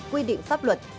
quy định pháp luật